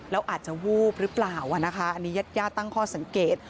แล้วอาจจะวูบหรือเปล่าอันนี้ยัดย่าตั้งข้อสังเกต